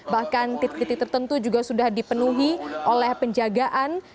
bahkan titik titik tertentu juga sudah dipenuhi oleh penjagaan